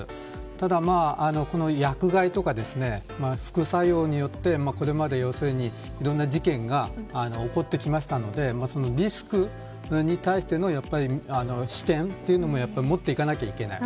ただ、薬害とか副作用によって、これまで要するに、いろんな事件が起こってきたのでそのリスクに対しての視点というのも持っていかなきゃいけない。